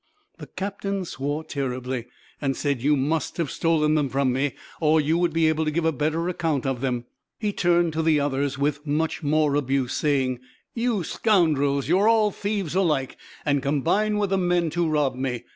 The captain swore terribly, and said, "You must have stolen them from me, or you would be able to give a better account of them!" He turned to the others with much more abuse, saying, "You scoundrels, you are all thieves alike, and combine with the men to rob me!